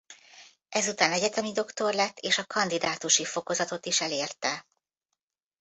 Ezután egyetemi doktor lett és a kandidátusi fokozatot is elérte.